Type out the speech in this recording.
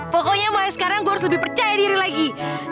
pokoknya may sekarang gue harus lebih percaya diri lagi